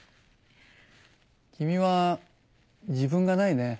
君は自分がないね。